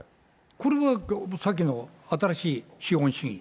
これはさっきの新しい資本主義。